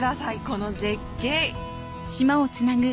この絶景！